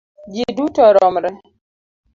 Ji duto romre